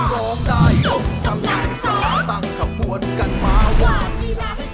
ร้องได้ยกกำลังซ่าตั้งครับวนกันมาวภูมิ